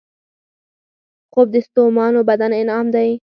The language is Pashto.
خوب د ستومانو بدن انعام دی